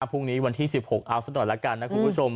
พรุ่งนี้วันที่๑๖เอาสักหน่อยละกันนะคุณผู้ชม